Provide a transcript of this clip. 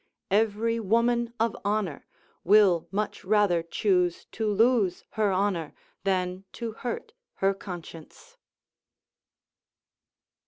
Every woman of honour will much rather choose to lose her honour than to hurt her conscience.